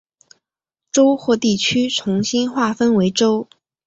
州或地区重新划分为州。